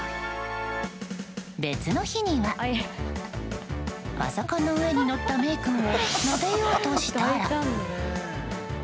別の日にはパソコンの上に乗ったメイ君をなでようとしたら。